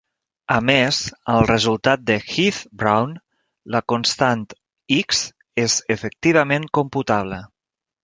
A més, al resultat de Heath-Brown, la constant "x" és efectivament computable.